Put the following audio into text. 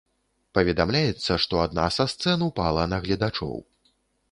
Паведамляецца, што адна са сцэн ўпала на гледачоў.